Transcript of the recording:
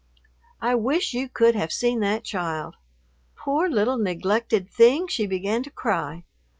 I wish you could have seen that child! Poor little neglected thing, she began to cry.